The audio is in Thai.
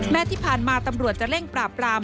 ที่ผ่านมาตำรวจจะเร่งปราบราม